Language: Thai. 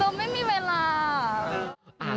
ไม่มีเวลา